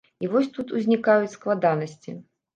І вось тут узнікаюць складанасці.